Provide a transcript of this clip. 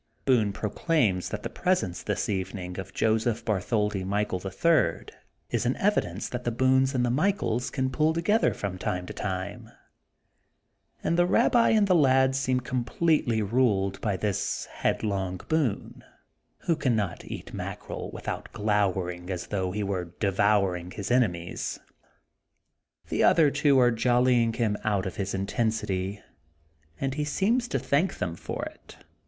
Boone proclaims that the presence this eve ning of Joseph Bartholdi Michael, the Third, is an evidence that the Boones and the Michaels can pull together from time to time and the Babbi and the lad seem completely ruled by this headlong Boone who cannot eat mack erel without glowering as though he were de vouring his enemies. The other two are jollying him out of his intensity and he seems to thank them for it.